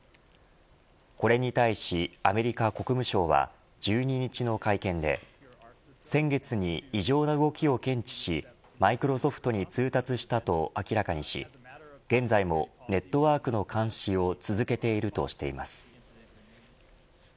これに対しアメリカ国務省は１２日の会見で先月に異常な動きを検知しマイクロソフトに通達したと明らかにし現在もネットワークの監視を続けているとしています。